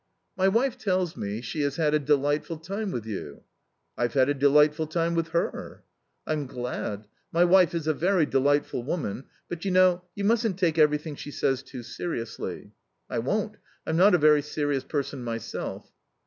"My wife tells me she has had a delightful time with you." "I've had a delightful time with her." "I'm glad. My wife is a very delightful woman; but, you know, you mustn't take everything she says too seriously." "I won't. I'm not a very serious person myself."